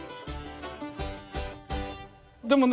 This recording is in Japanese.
でもね